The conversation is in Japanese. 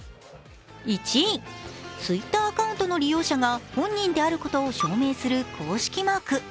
Ｔｗｉｔｔｅｒアカウントの利用者が本人であることを証明する公式マーク。